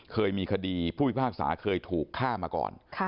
เคยมีคดีผู้พิพากษาเคยถูกฆ่ามาก่อน